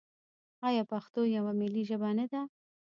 آیا پښتو یوه ملي ژبه نه ده؟